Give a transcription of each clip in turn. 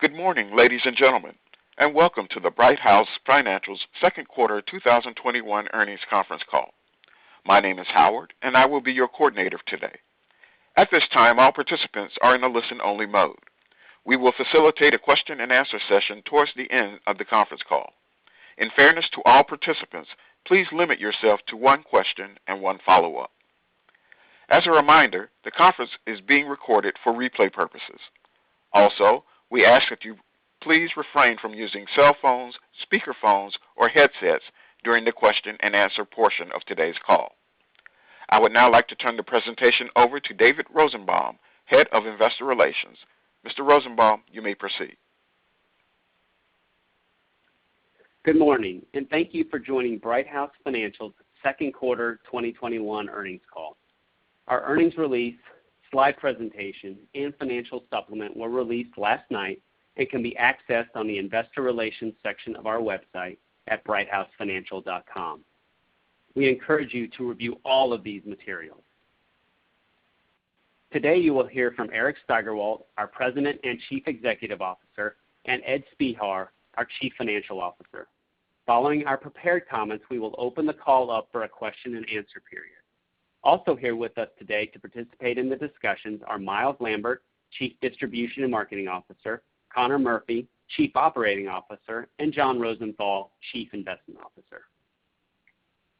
Good morning, ladies and gentlemen, and welcome to the Brighthouse Financial's Second Quarter 2021 Earnings Conference Call. My name is Howard, and I will be your coordinator today. At this time, all participants are in a listen-only mode. We will facilitate a question and answer session towards the end of the conference call. In fairness to all participants, please limit yourself to one question and one follow-up. As a reminder, the conference is being recorded for replay purposes. We ask that you please refrain from using cell phones, speaker phones, or headsets during the question and answer portion of today's call. I would now like to turn the presentation over to David Rosenbaum, Head of Investor Relations. Mr. Rosenbaum, you may proceed. Good morning, thank you for joining Brighthouse Financial's Second Quarter 2021 Earnings Call. Our earnings release, slide presentation, and financial supplement were released last night and can be accessed on the investor relations section of our website at brighthousefinancial.com. We encourage you to review all of these materials. Today, you will hear from Eric Steigerwalt, our President and Chief Executive Officer, and Ed Spehar, our Chief Financial Officer. Following our prepared comments, we will open the call up for a question and answer period. Also here with us today to participate in the discussions are Myles Lambert, Chief Distribution and Marketing Officer, Conor Murphy, Chief Operating Officer, and John Rosenthal, Chief Investment Officer.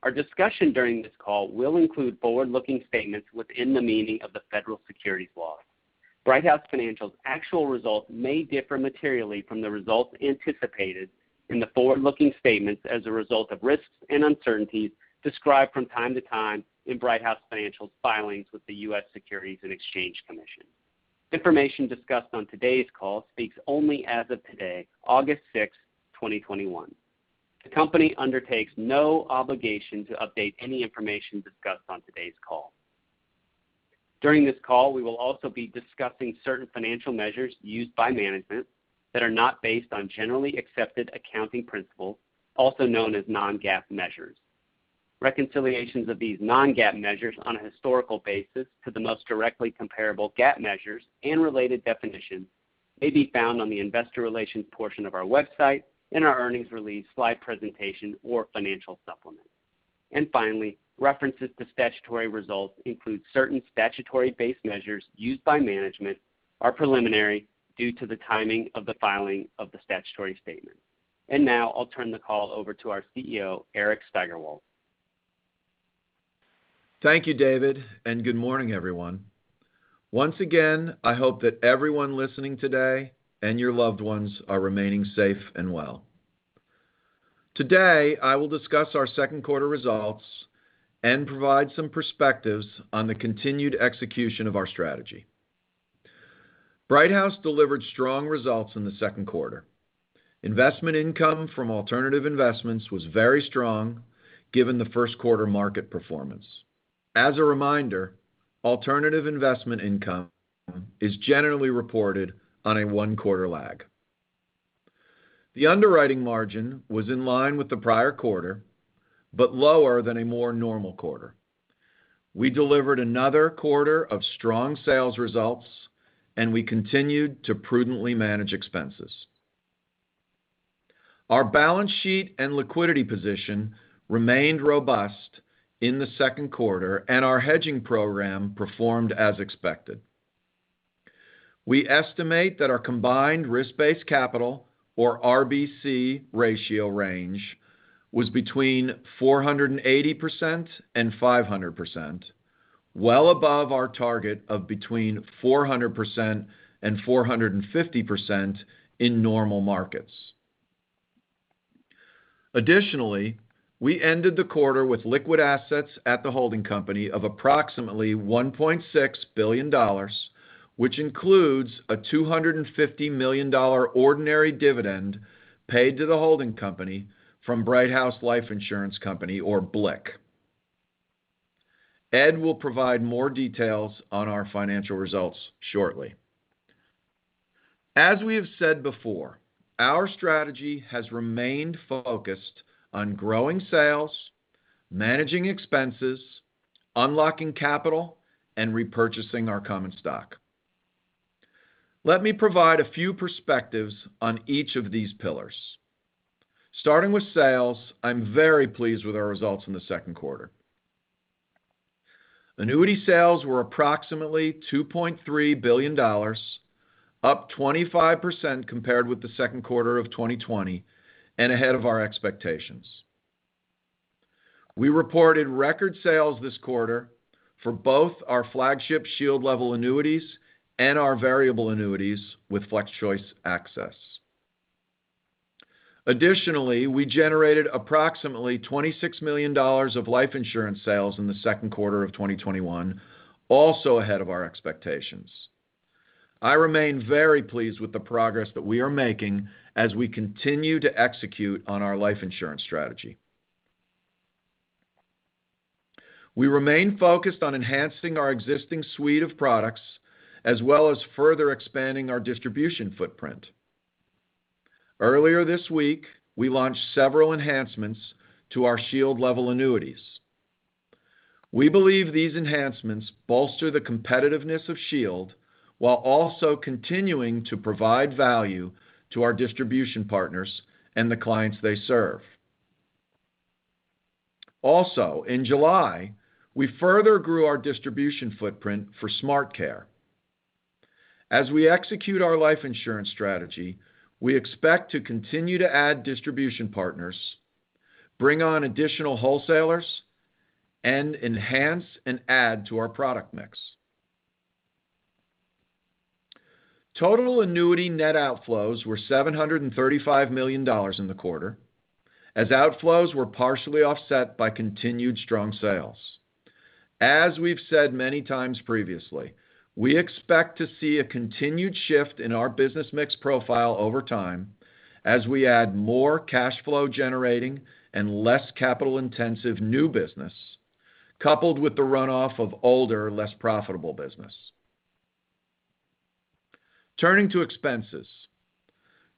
Our discussion during this call will include forward-looking statements within the meaning of the federal securities laws. Brighthouse Financial's actual results may differ materially from the results anticipated in the forward-looking statements as a result of risks and uncertainties described from time to time in Brighthouse Financial filings with the U.S. Securities and Exchange Commission. Information discussed on today's call speaks only as of today, August 6, 2021. The company undertakes no obligation to update any information discussed on today's call. During this call, we will also be discussing certain financial measures used by management that are not based on generally accepted accounting principles, also known as non-GAAP measures. Reconciliations of these non-GAAP measures on a historical basis to the most directly comparable GAAP measures and related definitions may be found on the investor relations portion of our website in our earnings release, slide presentation, or financial supplement. Finally, references to statutory results include certain statutory-based measures used by management are preliminary due to the timing of the filing of the statutory statement. Now I'll turn the call over to our CEO, Eric Steigerwalt. Thank you, David, and good morning, everyone. Once again, I hope that everyone listening today and your loved ones are remaining safe and well. Today, I will discuss our second quarter results and provide some perspectives on the continued execution of our strategy. Brighthouse delivered strong results in the second quarter. Investment income from alternative investments was very strong given the first quarter market performance. As a reminder, alternative investment income is generally reported on a one-quarter lag. The underwriting margin was in line with the prior quarter, but lower than a more normal quarter. We delivered another quarter of strong sales results, and we continued to prudently manage expenses. Our balance sheet and liquidity position remained robust in the second quarter, and our hedging program performed as expected. We estimate that our combined risk-based capital or RBC ratio range was between 480% and 500%, well above our target of between 400% and 450% in normal markets. Additionally, we ended the quarter with liquid assets at the holding company of approximately $1.6 billion, which includes a $250 million ordinary dividend paid to the holding company from Brighthouse Life Insurance Company or BLIC. Ed will provide more details on our financial results shortly. As we have said before, our strategy has remained focused on growing sales, managing expenses, unlocking capital, and repurchasing our common stock. Let me provide a few perspectives on each of these pillars. Starting with sales, I'm very pleased with our results in the second quarter. Annuity sales were approximately $2.3 billion, up 25% compared with the second quarter of 2020 and ahead of our expectations. We reported record sales this quarter for both our flagship Shield Level annuities and our variable annuities with FlexChoice Access. Additionally, we generated approximately $26 million of life insurance sales in the second quarter of 2021, also ahead of our expectations. I remain very pleased with the progress that we are making as we continue to execute on our life insurance strategy. We remain focused on enhancing our existing suite of products, as well as further expanding our distribution footprint. Earlier this week, we launched several enhancements to our Shield level annuities. We believe these enhancements bolster the competitiveness of Shield while also continuing to provide value to our distribution partners and the clients they serve. Also, in July, we further grew our distribution footprint for SmartCare. As we execute our life insurance strategy, we expect to continue to add distribution partners, bring on additional wholesalers, and enhance and add to our product mix. Total annuity net outflows were $735 million in the quarter, as outflows were partially offset by continued strong sales. As we've said many times previously, we expect to see a continued shift in our business mix profile over time as we add more cash flow generating and less capital-intensive new business, coupled with the runoff of older, less profitable business. Turning to expenses.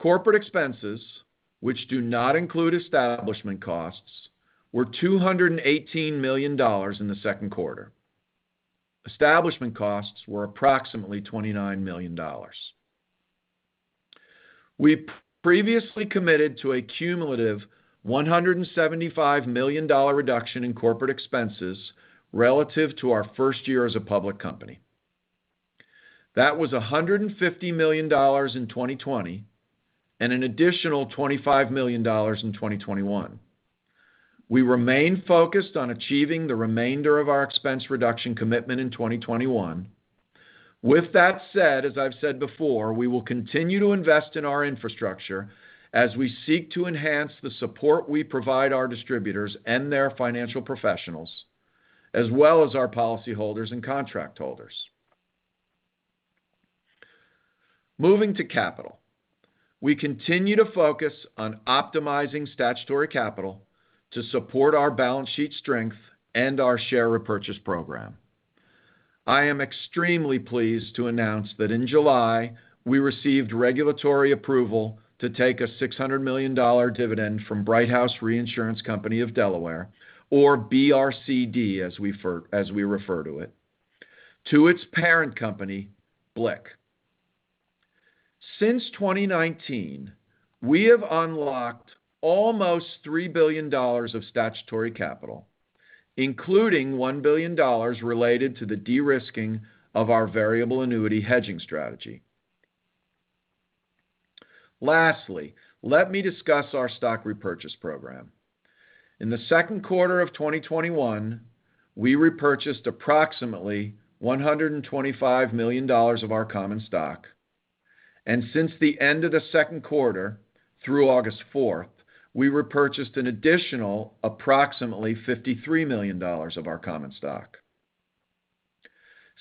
Corporate expenses, which do not include establishment costs, were $218 million in the second quarter. Establishment costs were approximately $29 million. We previously committed to a cumulative $175 million reduction in corporate expenses relative to our first year as a public company. That was $150 million in 2020 and an additional $25 million in 2021. We remain focused on achieving the remainder of our expense reduction commitment in 2021. With that said, as I've said before, we will continue to invest in our infrastructure as we seek to enhance the support we provide our distributors and their financial professionals, as well as our policyholders and contract holders. Moving to capital, we continue to focus on optimizing statutory capital to support our balance sheet strength and our share repurchase program. I am extremely pleased to announce that in July, we received regulatory approval to take a $600 million dividend from Brighthouse Reinsurance Company of Delaware, or BRCD as we refer to it, to its parent company, BLIC. Since 2019, we have unlocked almost $3 billion of statutory capital, including $1 billion related to the de-risking of our variable annuity hedging strategy. Lastly, let me discuss our stock repurchase program. In the second quarter of 2021, we repurchased approximately $125 million of our common stock, and since the end of the second quarter through August 4th, we repurchased an additional approximately $53 million of our common stock.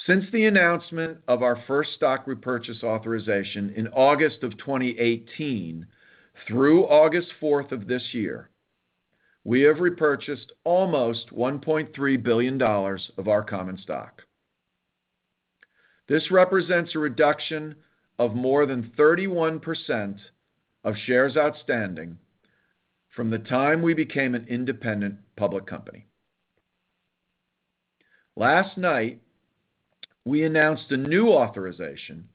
Since the announcement of our first stock repurchase authorization in August of 2018 through August 4th of this year, we have repurchased almost $1.3 billion of our common stock. This represents a reduction of more than 31% of shares outstanding from the time we became an independent public company. Last night, we announced a new authorization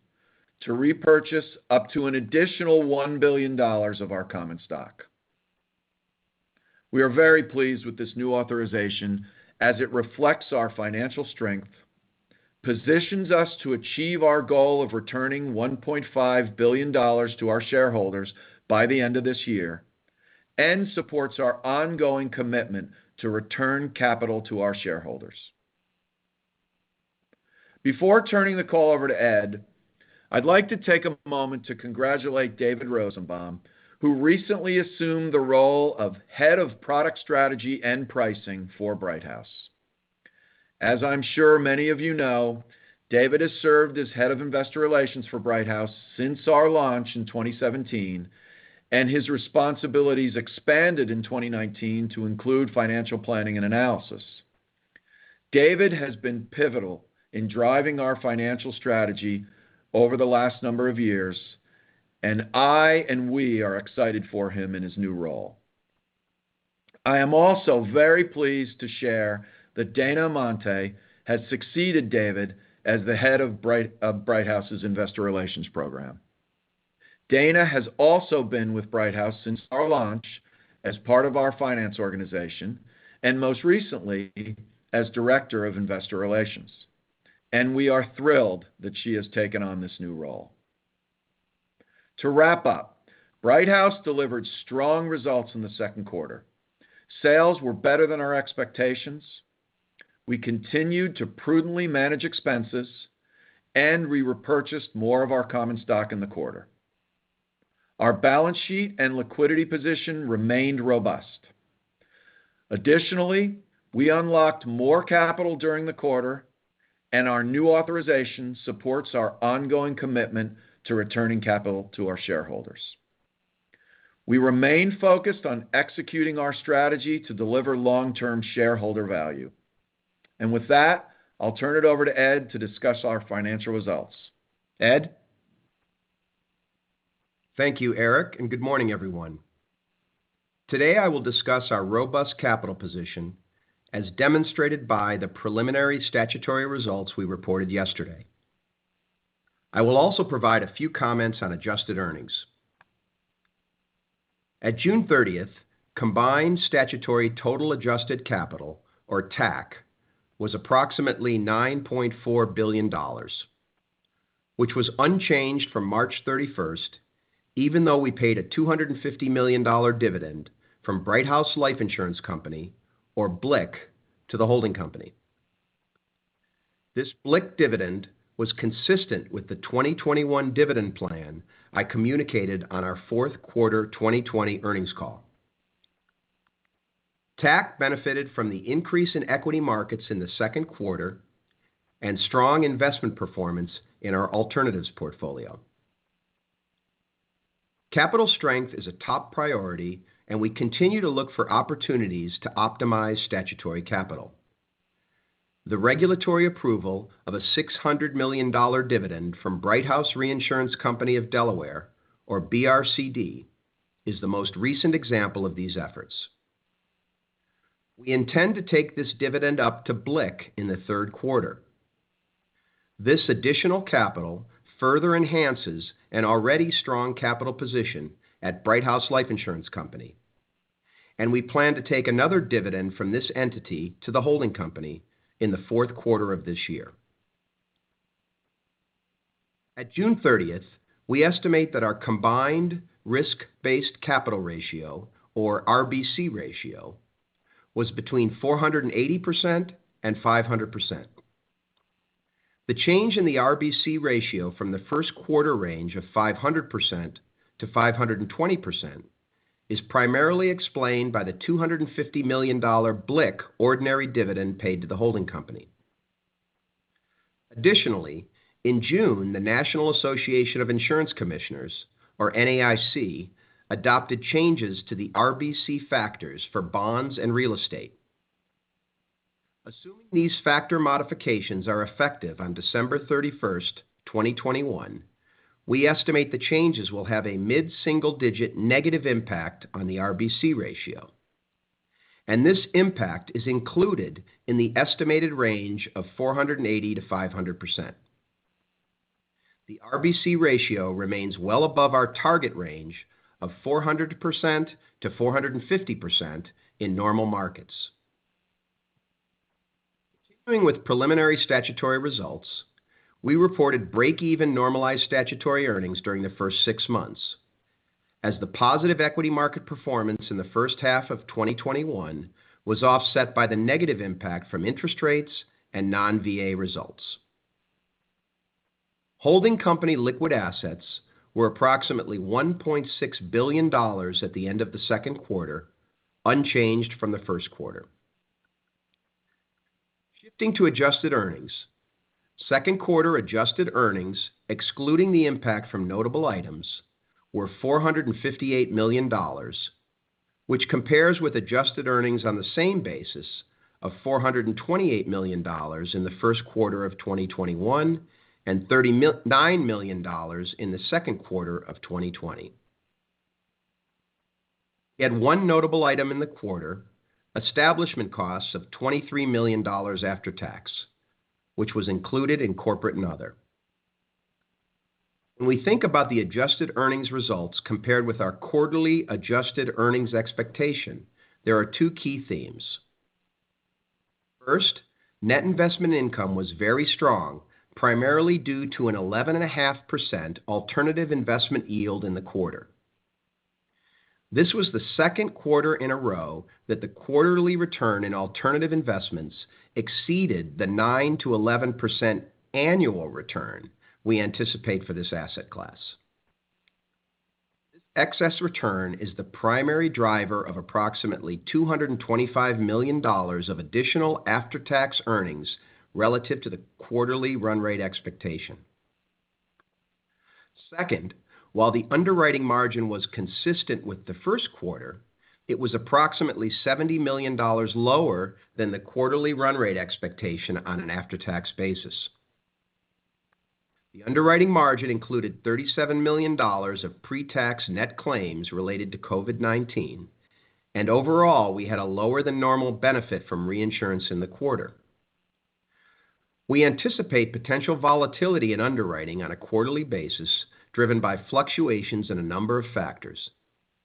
to repurchase up to an additional $1 billion of our common stock. We are very pleased with this new authorization as it reflects our financial strength, positions us to achieve our goal of returning $1.5 billion to our shareholders by the end of this year, and supports our ongoing commitment to return capital to our shareholders. Before turning the call over to Ed, I'd like to take a moment to congratulate David Rosenbaum, who recently assumed the role of Head of Product Strategy and Pricing for Brighthouse. As I'm sure many of you know, David has served as Head of Investor Relations for Brighthouse since our launch in 2017, and his responsibilities expanded in 2019 to include financial planning and analysis. David has been pivotal in driving our financial strategy over the last number of years, and I and we are excited for him in his new role. I am also very pleased to share that Dana Amante has succeeded David as the head of Brighthouse's Investor Relations program. Dana has also been with Brighthouse since our launch as part of our finance organization, and most recently as Director of Investor Relations. We are thrilled that she has taken on this new role. To wrap up, Brighthouse delivered strong results in the second quarter. Sales were better than our expectations. We continued to prudently manage expenses, and we repurchased more of our common stock in the quarter. Our balance sheet and liquidity position remained robust. Additionally, we unlocked more capital during the quarter, and our new authorization supports our ongoing commitment to returning capital to our shareholders. We remain focused on executing our strategy to deliver long-term shareholder value. With that, I'll turn it over to Ed to discuss our financial results. Ed? Thank you, Eric, and good morning, everyone. Today I will discuss our robust capital position as demonstrated by the preliminary statutory results we reported yesterday. I will also provide a few comments on adjusted earnings. At June 30th, combined statutory total adjusted capital, or TAC, was approximately $9.4 billion, which was unchanged from March 31st, even though we paid a $250 million dividend from Brighthouse Life Insurance Company, or BLIC, to the holding company. This BLIC dividend was consistent with the 2021 dividend plan I communicated on our fourth quarter 2020 earnings call. TAC benefited from the increase in equity markets in the second quarter and strong investment performance in our alternatives portfolio. Capital strength is a top priority, and we continue to look for opportunities to optimize statutory capital. The regulatory approval of a $600 million dividend from Brighthouse Reinsurance Company of Delaware, or BRCD, is the most recent example of these efforts. We intend to take this dividend up to BLIC in the third quarter. This additional capital further enhances an already strong capital position at Brighthouse Life Insurance Company, and we plan to take another dividend from this entity to the holding company in the fourth quarter of this year. At June 30th, we estimate that our combined risk-based capital ratio, or RBC ratio, was between 480% and 500%. The change in the RBC ratio from the first quarter range of 500%-520% is primarily explained by the $250 million BLIC ordinary dividend paid to the holding company. Additionally, in June, the National Association of Insurance Commissioners, or NAIC, adopted changes to the RBC factors for bonds and real estate. Assuming these factor modifications are effective on December 31st, 2021, we estimate the changes will have a mid-single-digit negative impact on the RBC ratio, and this impact is included in the estimated range of 480%-500%. The RBC ratio remains well above our target range of 400%-450% in normal markets. Continuing with preliminary statutory results, we reported break-even normalized statutory earnings during the first 6 months as the positive equity market performance in the first half of 2021 was offset by the negative impact from interest rates and non-VA results. Holding company liquid assets were approximately $1.6 billion at the end of the second quarter, unchanged from the first quarter. Shifting to adjusted earnings, second quarter adjusted earnings, excluding the impact from notable items, were $458 million, which compares with adjusted earnings on the same basis of $428 million in the first quarter of 2021 and $39 million in the second quarter of 2020. We had one notable item in the quarter, establishment costs of $23 million after tax, which was included in corporate and other. When we think about the adjusted earnings results compared with our quarterly adjusted earnings expectation, there are two key themes. First, net investment income was very strong, primarily due to an 11.5% alternative investment yield in the quarter. This was the second quarter in a row that the quarterly return in alternative investments exceeded the 9%-11% annual return we anticipate for this asset class. This excess return is the primary driver of approximately $225 million of additional after-tax earnings relative to the quarterly run rate expectation. Second, while the underwriting margin was consistent with the first quarter, it was approximately $70 million lower than the quarterly run rate expectation on an after-tax basis. The underwriting margin included $37 million of pre-tax net claims related to COVID-19, and overall, we had a lower than normal benefit from reinsurance in the quarter. We anticipate potential volatility in underwriting on a quarterly basis, driven by fluctuations in a number of factors,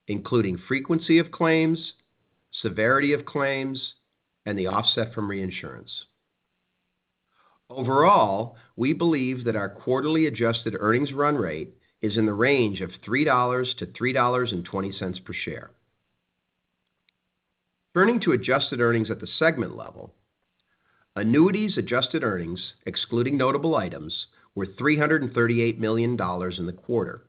including frequency of claims, severity of claims, and the offset from reinsurance. Overall, we believe that our quarterly adjusted earnings run rate is in the range of $3-$3.20 per share. Turning to adjusted earnings at the segment level, annuities adjusted earnings, excluding notable items, were $338 million in the quarter.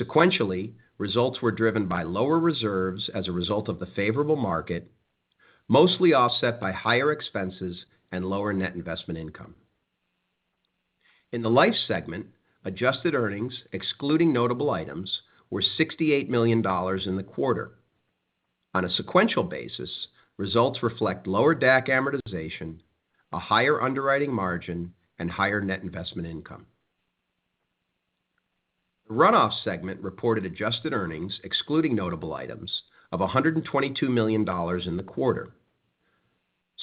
Sequentially, results were driven by lower reserves as a result of the favorable market, mostly offset by higher expenses and lower net investment income. In the life segment, adjusted earnings excluding notable items were $68 million in the quarter. On a sequential basis, results reflect lower DAC amortization, a higher underwriting margin, and higher net investment income. The runoff segment reported adjusted earnings excluding notable items of $122 million in the quarter.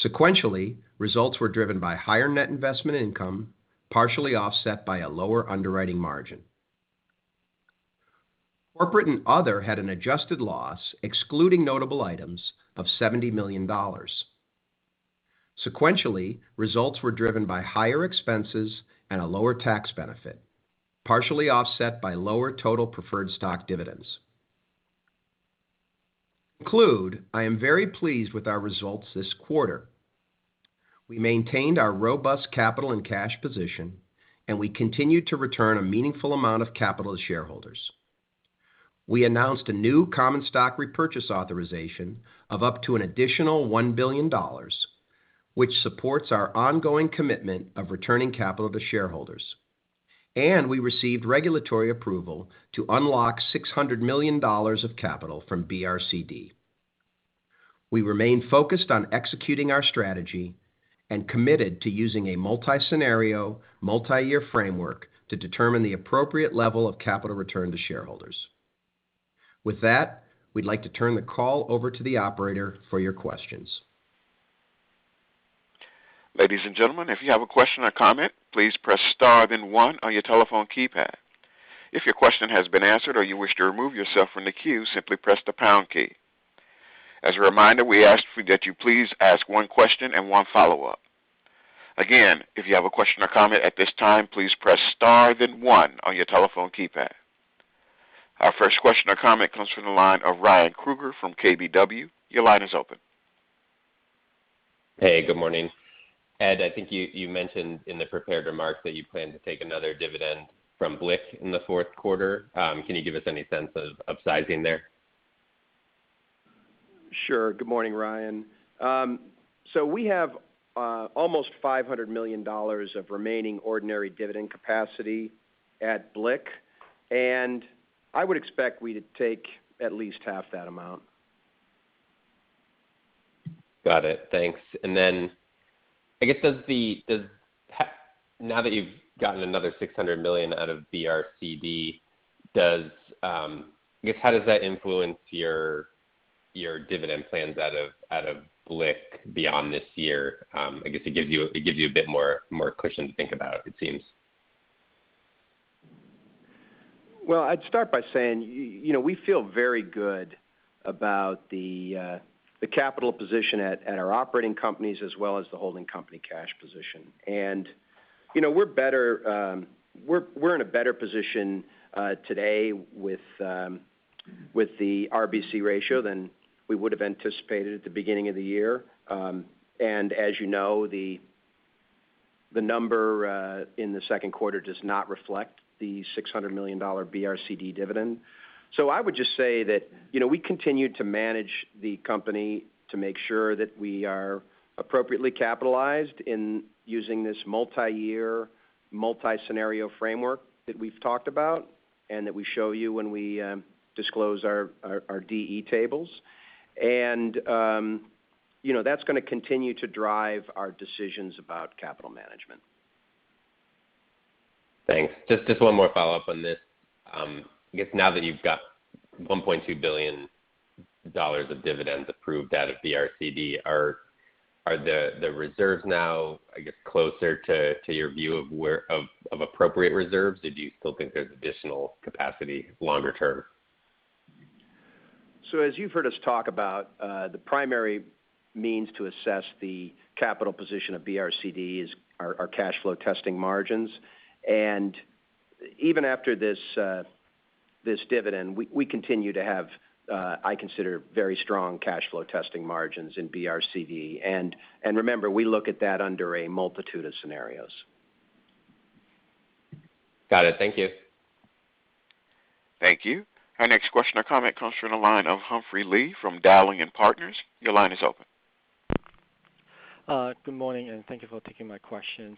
Sequentially, results were driven by higher net investment income, partially offset by a lower underwriting margin. Corporate and other had an adjusted loss excluding notable items of $70 million. Sequentially, results were driven by higher expenses and a lower tax benefit, partially offset by lower total preferred stock dividends. To conclude, I am very pleased with our results this quarter. We maintained our robust capital and cash position, and we continued to return a meaningful amount of capital to shareholders. We announced a new common stock repurchase authorization of up to an additional $1 billion, which supports our ongoing commitment of returning capital to shareholders. We received regulatory approval to unlock $600 million of capital from BRCD. We remain focused on executing our strategy and committed to using a multi-scenario, multi-year framework to determine the appropriate level of capital return to shareholders. With that, we'd like to turn the call over to the operator for your questions. Ladies and gentlemen, if you have a question or comment, please press star then one on your telephone keypad. If your question has been answered or you wish to remove yourself from the queue, simply press the pound key. As a reminder, we ask that you please ask one question and one follow-up. Again, if you have a question or comment at this time, please press star then one on your telephone keypad. Our first question or comment comes from the line of Ryan Krueger from KBW. Your line is open. Hey, good morning. Ed, I think you mentioned in the prepared remarks that you plan to take another dividend from BLIC in the fourth quarter. Can you give us any sense of sizing there? Sure. Good morning, Ryan. We have almost $500 million of remaining ordinary dividend capacity at BLIC, and I would expect we'd take at least half that amount. Got it. Thanks. I guess, now that you've gotten another $600 million out of BRCD, how does that influence your dividend plans out of BLIC beyond this year? I guess it gives you a bit more cushion to think about it seems. Well, I'd start by saying we feel very good about the capital position at our operating companies as well as the holding company cash position. We're in a better position today with the RBC ratio than we would have anticipated at the beginning of the year. As you know, the number in the second quarter does not reflect the $600 million BRCD dividend. I would just say that we continue to manage the company to make sure that we are appropriately capitalized in using this multi-year, multi-scenario framework that we've talked about and that we show you when we disclose our DE tables. That's going to continue to drive our decisions about capital management. Thanks. Just one more follow-up on this. I guess now that you've got $1.2 billion of dividends approved out of BRCD, are the reserves now, I guess, closer to your view of appropriate reserves? Do you still think there's additional capacity longer term? As you've heard us talk about, the primary means to assess the capital position of BRCD is our cash flow testing margins. Even after this dividend, we continue to have, I consider, very strong cash flow testing margins in BRCD. Remember, we look at that under a multitude of scenarios. Got it. Thank you. Thank you. Our next question or comment comes from the line of Humphrey Lee from Dowling & Partners. Your line is open. Good morning, and thank you for taking my questions.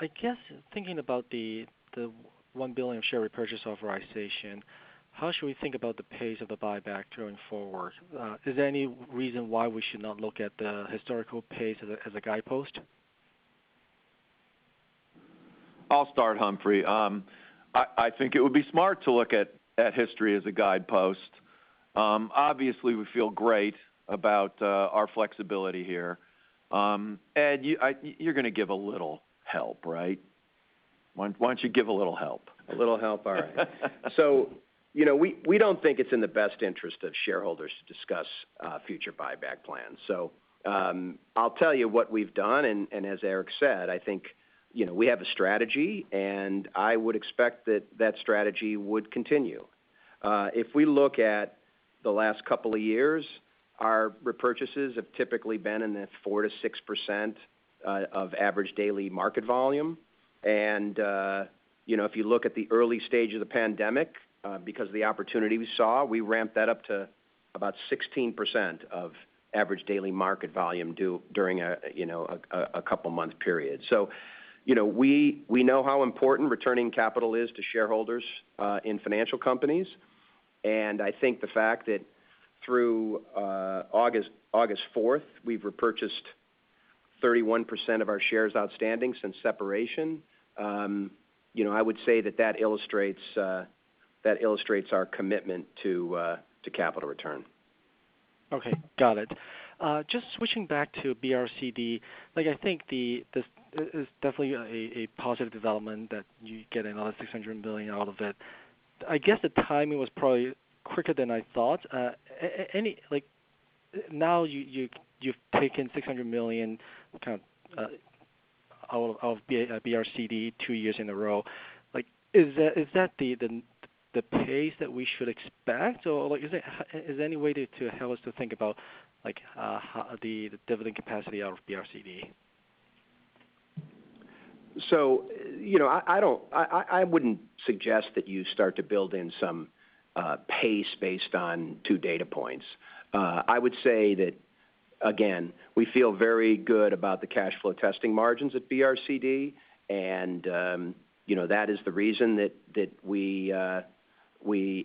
I guess thinking about the $1 billion share repurchase authorization, how should we think about the pace of the buyback going forward? Is there any reason why we should not look at the historical pace as a guidepost? I'll start, Humphrey. I think it would be smart to look at history as a guidepost. Obviously, we feel great about our flexibility here. Ed, you're going to give a little help, right? Why don't you give a little help? A little help? All right. We don't think it's in the best interest of shareholders to discuss future buyback plans. I'll tell you what we've done, and as Eric said, I think we have a strategy, and I would expect that that strategy would continue. If we look at the last couple of years, our repurchases have typically been in the 4%-6% of average daily market volume. If you look at the early stage of the pandemic, because of the opportunity we saw, we ramped that up to about 16% of average daily market volume during a couple month period. We know how important returning capital is to shareholders in financial companies. I think the fact that through August 4th, we've repurchased 31% of our shares outstanding since separation. I would say that illustrates our commitment to capital return. Okay. Got it. Switching back to BRCD, I think this is definitely a positive development that you get another $600 million out of it. I guess the timing was probably quicker than I thought. You've taken $600 million kind of out of BRCD 2 years in a row. Is that the pace that we should expect? Is there any way to help us to think about the dividend capacity out of BRCD? I wouldn't suggest that you start to build in some pace based on 2 data points. I would say that, again, we feel very good about the cash flow testing margins at BRCD, and that is the reason that we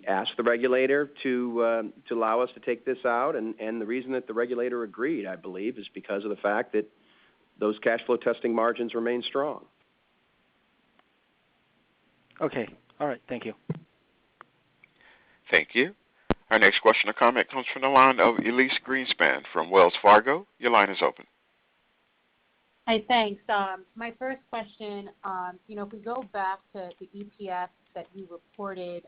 asked the regulator to allow us to take this out. The reason that the regulator agreed, I believe, is because of the fact that those cash flow testing margins remain strong. Okay. All right. Thank you. Thank you. Our next question or comment comes from the line of Elyse Greenspan from Wells Fargo. Your line is open. Hi. Thanks. My first question, if we go back to the EPS that you reported,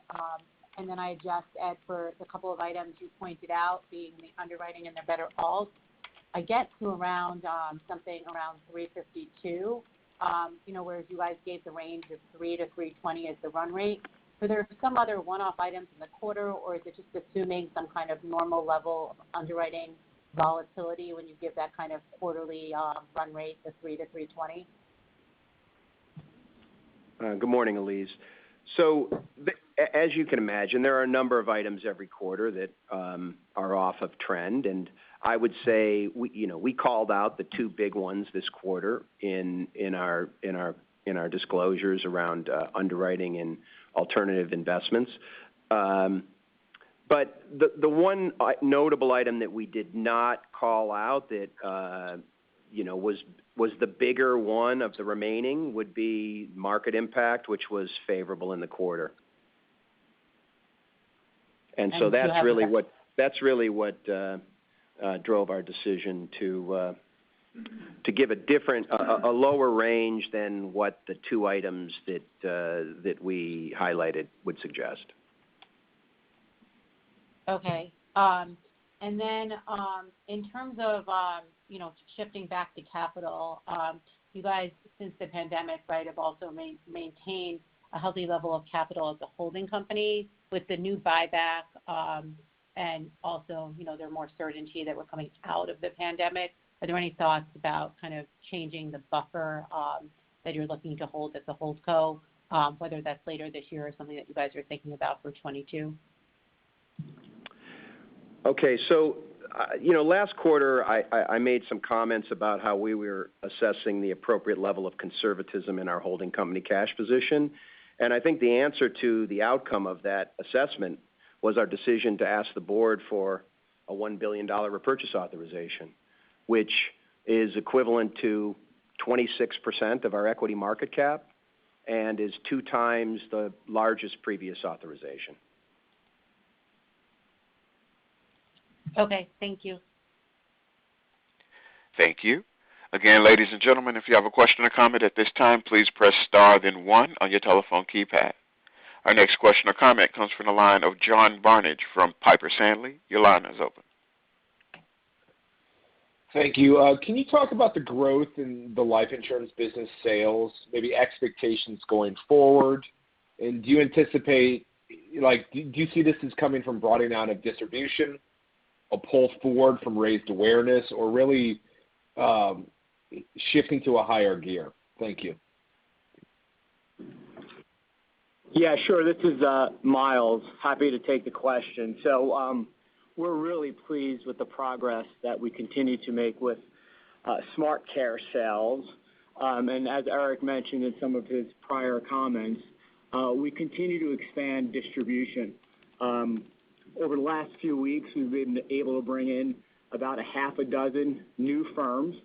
I just add for the couple of items you pointed out, being the underwriting and overall, I get to something around $3.52, whereas you guys gave the range of $3.00-$3.20 as the run rate. Were there some other one-off items in the quarter, or is it just assuming some kind of normal level underwriting volatility when you give that kind of quarterly run rate for $3.00-$3.20? Good morning, Elyse. As you can imagine, there are a number of items every quarter that are off of trend, and I would say we called out the two big ones this quarter in our disclosures around underwriting and alternative investments. But the one notable item that we did not call out that was the bigger one of the remaining would-be market impacts, which was favorable in the quarter. Do you have? That's really what drove our decision to give a lower range than what the two items that we highlighted would suggest. Okay. In terms of shifting back to capital, you guys, since the pandemic, have also maintained a healthy level of capital as a holding company with the new buyback. Also, there's more certainty that we're coming out of the pandemic. Are there any thoughts about kind of changing the buffer that you're looking to hold at the hold co, whether that's later this year or something that you guys are thinking about for 2022? Last quarter, I made some comments about how we were assessing the appropriate level of conservatism in our holding company cash position. I think the answer to the outcome of that assessment was our decision to ask the Board for a $1 billion repurchase authorization, which is equivalent to 26% of our equity market cap and is 2x the largest previous authorization. Okay. Thank you. Thank you. Again, ladies and gentlemen, if you have a question or comment at this time, please press star then one on your telephone keypad. Our next question or comment comes from the line of John Barnidge from Piper Sandler. Your line is open. Thank you. Can you talk about the growth in the life insurance business sales, maybe expectations going forward? Do you anticipate this is coming from broadening out of distribution, a pull forward from raised awareness, or really shifting to a higher gear? Thank you. Yeah, sure. This is Myles. Happy to take the question. We're really pleased with the progress that we continue to make with SmartCare sales. As Eric mentioned in some of his prior comments, we continue to expand distribution. Over the last few weeks, we've been able to bring in about six new firms.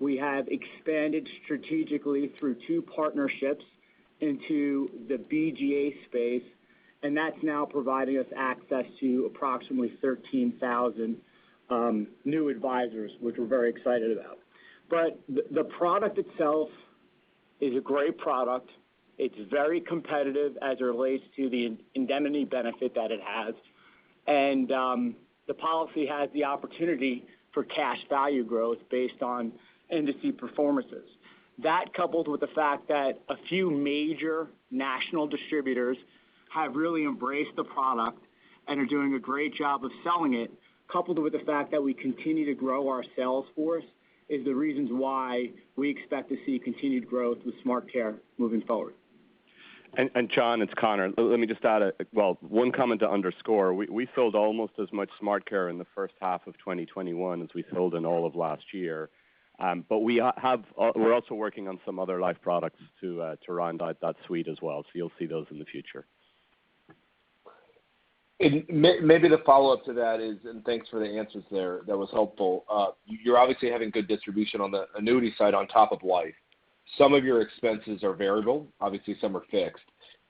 We have expanded strategically through two partnerships into the BGA space, and that's now providing us access to approximately 13,000 new advisors, which we're very excited about. The product itself is a great product. It's very competitive as it relates to the indemnity benefit that it has. The policy has the opportunity for cash value growth based on industry performances. That, coupled with the fact that a few major national distributors have really embraced the product and are doing a great job of selling it, coupled with the fact that we continue to grow our sales force is the reasons why we expect to see continued growth with SmartCare moving forward. John, it's Conor. Let me just add, well, one comment to underscore, we sold almost as much SmartCare in the first half of 2021 as we sold in all of last year. We're also working on some other life products to round out that suite as well. You'll see those in the future. Maybe the follow-up to that is. Thanks for the answers there. That was helpful. You're obviously having good distribution on the annuity side on top of life. Some of your expenses are variable. Obviously, some are fixed.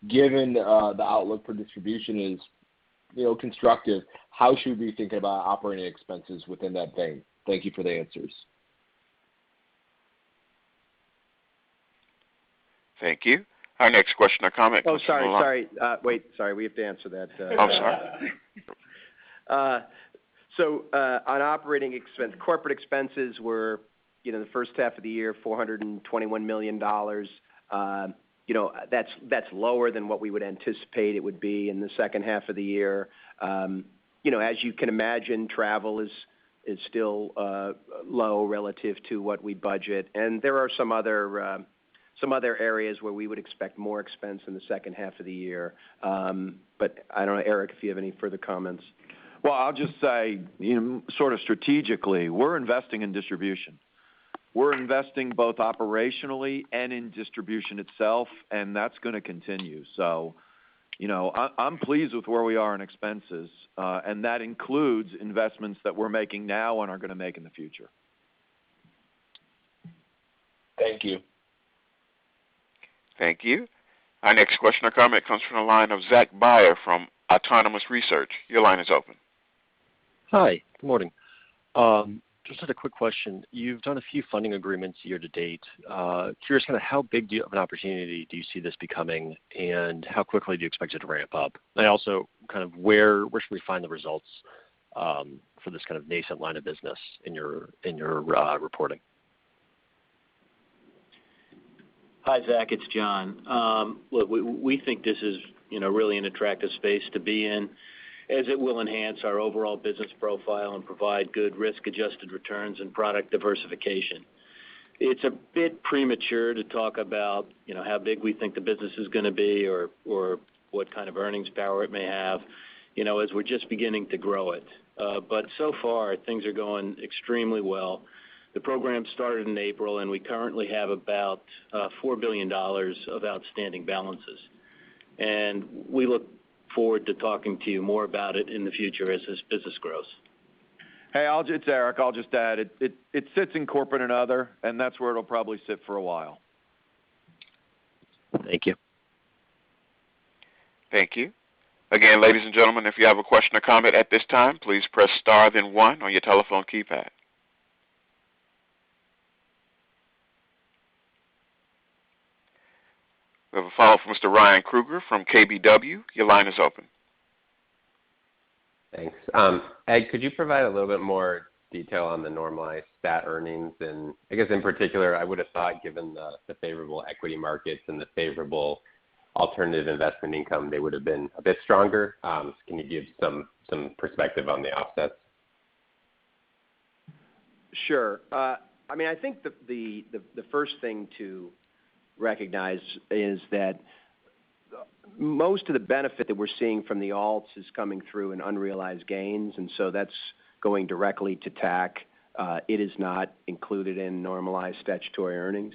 Given the outlook for distribution is constructive, how should we think about operating expenses within that vein? Thank you for the answers. Thank you. Our next question or comment comes from the line. Oh, sorry. Wait, sorry. We have to answer that. Oh, sorry. On operating expense, corporate expenses were the first half of the year, $421 million. That's lower than what we would anticipate it would be in the second half of the year. As you can imagine, travel is still low relative to what we budget, and there are some other areas where we would expect more expense in the second half of the year. I don't know, Eric, if you have any further comments. I'll just say, sort of strategically, we're investing in distribution. We're investing both operationally and in distribution itself, and that's going to continue. I'm pleased with where we are on expenses. That includes investments that we're making now and are going to make in the future. Thank you. Thank you. Our next question or comment comes from the line of Zach Byer from Autonomous Research. Your line is open. Hi. Good morning. Just had a quick question. You've done a few funding agreements year to date. Curious kind of how big of an opportunity do you see this becoming, and how quickly do you expect it to ramp up? Also, kind of where should we find the results for this kind of nascent line of business in your reporting? Hi, Zach, it's John. Look, we think this is really an attractive space to be in, as it will enhance our overall business profile and provide good risk-adjusted returns and product diversification. It's a bit premature to talk about how big we think the business is going to be or what kind of earnings power it may have, as we're just beginning to grow it. So far, things are going extremely well. The program started in April, and we currently have about $4 billion of outstanding balances. We look forward to talking to you more about it in the future as this business grows. Hey, it's Eric. I'll just add, it sits in corporate and other, and that's where it'll probably sit for a while. Thank you. Thank you. Again, ladies and gentlemen, if you have a question or comment at this time, please press star then one on your telephone keypad. We have a follow-up from Ryan Krueger from KBW. Your line is open. Thanks. Ed, could you provide a little bit more detail on the normalized stat earnings? I guess in particular, I would have thought given the favorable equity markets and the favorable alternative investment income, they would have been a bit stronger. Can you give some perspective on the offsets? Sure. I think the first thing to recognize is that most of the benefit that we're seeing from the alts is coming through in unrealized gains, that's going directly to TAC. It is not included in normalized statutory earnings.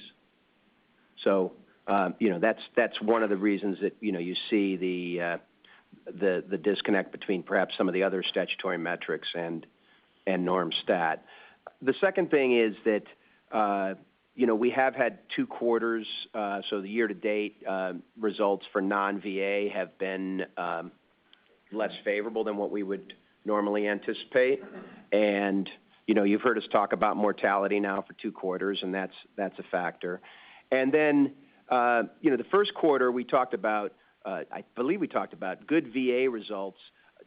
That's one of the reasons that you see the disconnect between perhaps some of the other statutory metrics and norm stat. The second thing is that we have had two quarters, the year-to-date results for non-VA have been less favorable than what we would normally anticipate. You've heard us talk about mortality now for two quarters, and that's a factor. The first quarter we talked about, I believe we talked about good VA results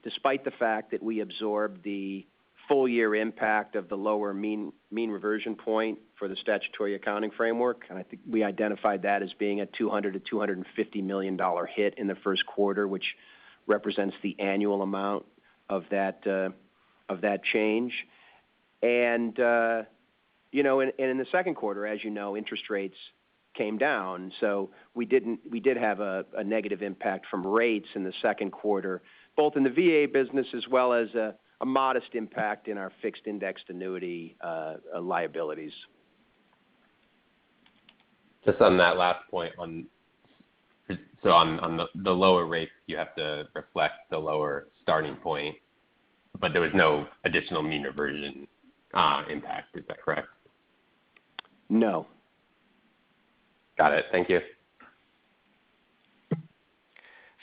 despite the fact that we absorbed the full-year impact of the lower mean reversion point for the statutory accounting framework. I think we identified that as being a $200 million-$250 million hit in the first quarter, which represents the annual amount of that change. In the second quarter, as you know, interest rates came down, so we did have a negative impact from rates in the second quarter, both in the VA business as well as a modest impact in our fixed indexed annuity liabilities. Just on that last point on the lower rates, you have to reflect the lower starting point, but there was no additional mean reversion impact. Is that correct? No. Got it. Thank you.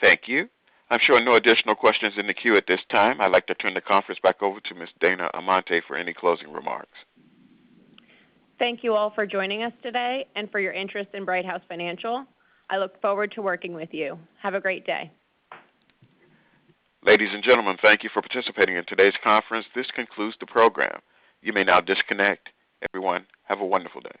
Thank you. I'm showing no additional questions in the queue at this time. I'd like to turn the conference back over to Ms. Dana Amante for any closing remarks. Thank you all for joining us today and for your interest in Brighthouse Financial. I look forward to working with you. Have a great day. Ladies and gentlemen, thank you for participating in today's conference. This concludes the program. You may now disconnect. Everyone, have a wonderful day.